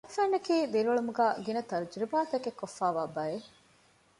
މައިންބަފައިންނަކީ ދިރިއުޅުމުގައި ގިނަ ތަޖުރިބާތަކެއް ކޮށްފައިވާ ބައެއް